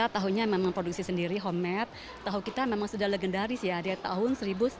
tahu kita memang sudah legendaris ya dari tahun seribu sembilan ratus sembilan puluh lima